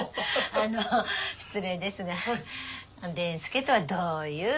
あの失礼ですが伝助とはどういう？